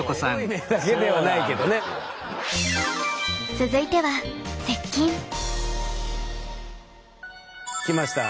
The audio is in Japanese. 続いては来ました。